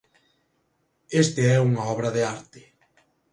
Este é unha obra de arte.